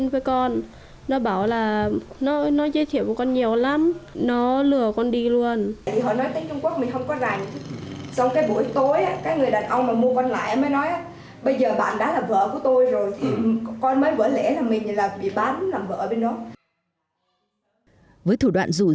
với thủ đoạn rủ dê